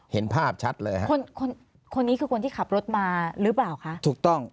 เห็นภาพชัดเลยฮะคนคนคนนี้คือคนที่ขับรถมาหรือเปล่าคะถูกต้อง